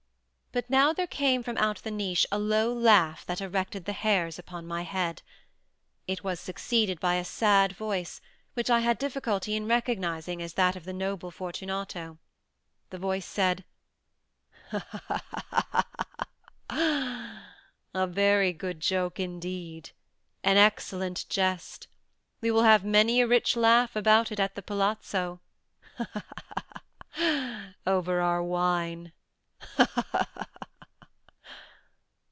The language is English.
But now there came from out the niche a low laugh that erected the hairs upon my head. It was succeeded by a sad voice, which I had difficulty in recognising as that of the noble Fortunato. The voice said— "Ha! ha! ha!—he! he!—a very good joke indeed—an excellent jest. We will have many a rich laugh about it at the palazzo—he! he! he!—over our wine—he! he! he!"